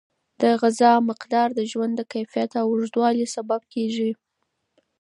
د غذا مقدار د ژوند د کیفیت او اوږدوالي سبب کیږي.